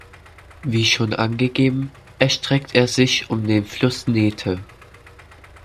Wie schon angegeben erstreckt er sich um den Fluss Nethe.